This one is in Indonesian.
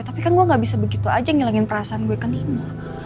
tapi kan gue enggak bisa begitu aja ngilangin perasaan gue ke nino